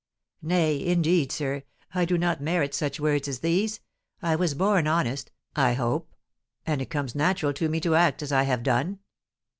"Nay, indeed, sir, I do not merit such words as these. I was born honest, I hope, and it comes natural to me to act as I have done."